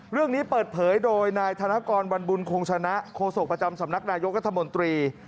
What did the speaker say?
เรื่องนี้เปิดเผยโดยนายธนกรวันบุญคงชนะโฆษกประจำสำนักนายกรัฐมนตรี